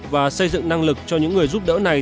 và xây dựng năng lực cho những người giúp đỡ này